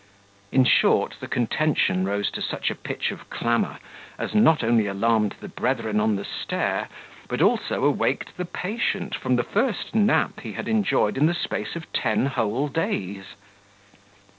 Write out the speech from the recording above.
In short, the contention rose to such a pitch of clamour, as not only alarmed the brethren on the stair, but also awaked the patient from the first nap he had enjoyed in the space of ten whole days.